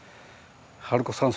春子さん